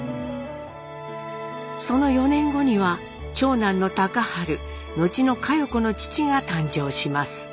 その４年後には長男の隆治後の佳代子の父が誕生します。